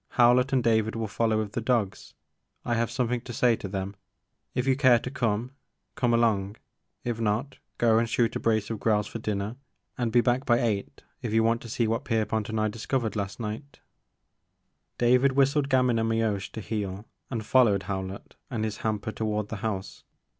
Howlett and David will follow with the dogs, — I have something to say to them. If you care to come, come along ; if not, go and shoot a brace of grouse for dinner and be back by eight if you want to see what Pierpont and I discovered last night" 46 TJie Maker of Moons. David whistled Gamin and Mioche to heel and followed Howlett and his hamper toward the house.